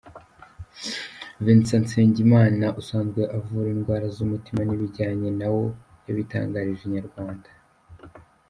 Vincent Nsengimana usanzwe avura indwara z’umutima n’ibijyanye na wo yabitangarije Inyarwanda.